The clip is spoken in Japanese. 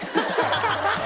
ハハハハ！